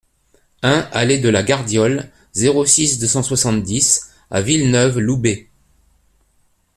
un allée de la Gardiole, zéro six, deux cent soixante-dix à Villeneuve-Loubet